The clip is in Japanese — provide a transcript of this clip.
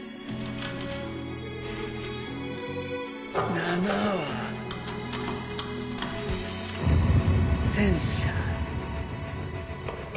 ７は戦車。